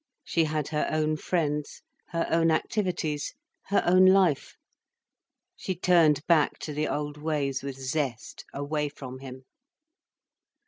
She had her own friends, her own activities, her own life. She turned back to the old ways with zest, away from him.